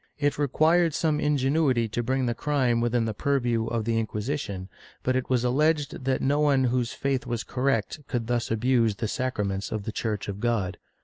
^ It required some ingenuity to bring the crime within the purview of the Inquisition, but it was alleged that no one whose faith was correct could thus abuse the sacraments of the Church of God.